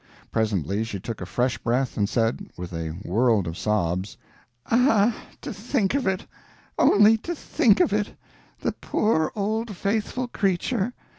Presently she took a fresh breath and said, with a world of sobs: "Ah, to think of it, only to think of it! the poor old faithful creature.